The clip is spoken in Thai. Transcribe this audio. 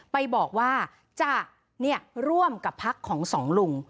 ไปบอกว่าจะร่วมกับพักของสองลุง